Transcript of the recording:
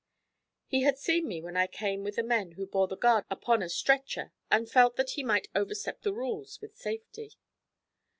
He had seen me when I came with the men who bore the guard upon a stretcher, and felt that he might overstep the rules with safety.